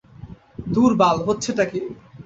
ধুর বাল, হচ্ছেটা কি?